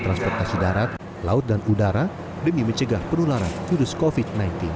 transportasi darat laut dan udara demi mencegah penularan virus covid sembilan belas